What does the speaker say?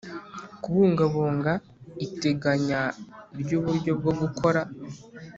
kubungabunga Iteganya ry uburyo bwo gukora